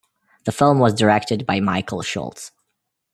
The film was directed by Michael Schultz.